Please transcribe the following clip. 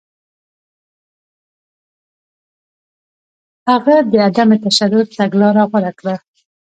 هغه د عدم تشدد تګلاره غوره کړه.